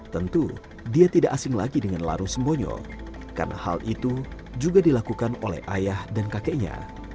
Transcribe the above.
tentu dia tidak asing lagi dengan laru sembonyo karena hal itu juga dilakukan oleh ayah dan kakeknya